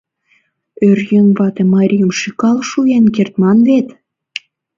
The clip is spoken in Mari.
Оръеҥ вате марийым шӱкал шуэн кертман вет!